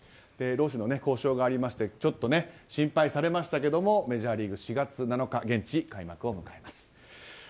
労使の交渉がありましてちょっと心配されましたがメジャーリーグ４月７日、現地開幕を迎えます。